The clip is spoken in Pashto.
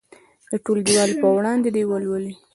د ټولګیوالو په وړاندې دې ولولي.